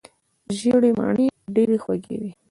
ژېړې مڼې ډېرې خوږې وي.